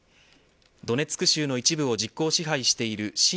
ドネツク州の一部を実効支配している親